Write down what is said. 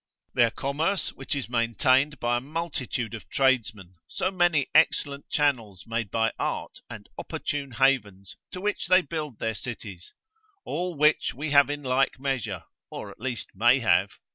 Their commerce, which is maintained by a multitude of tradesmen, so many excellent channels made by art and opportune havens, to which they build their cities; all which we have in like measure, or at least may have.